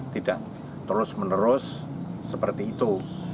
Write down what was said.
tidak terus menerus seperti itu